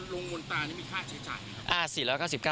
แล้วลงมนตาเนี่ยมีค่าเฉยไหมครับ